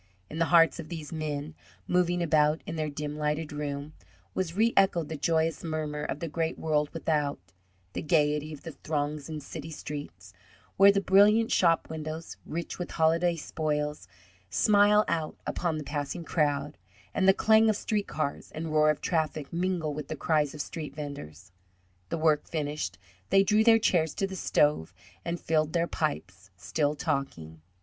In the hearts of these men, moving about in their dim lighted room, was reechoed the joyous murmur of the great world without: the gayety of the throngs in city streets, where the brilliant shop windows, rich with holiday spoils, smile out upon the passing crowd, and the clang of street cars and roar of traffic mingle with the cries of street venders. The work finished, they drew their chairs to the stove, and filled their pipes, still talking.